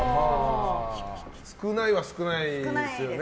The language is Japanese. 少ないは少ないですよね。